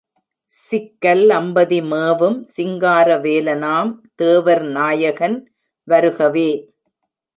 சிக்கல் அம்பதிமேவும் சிங்கார வேலனாம் தேவர் நாயகன் வருகவே!